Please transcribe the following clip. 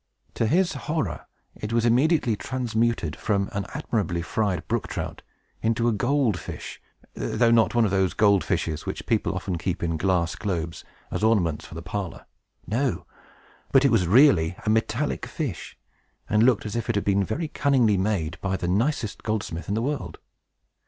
To his horror, it was immediately transmuted from an admirably fried brook trout into a gold fish, though not one of those gold fishes which people often keep in glass globes, as ornaments for the parlor. No; but it was really a metallic fish, and looked as if it had been very cunningly made by the nicest goldsmith in the world.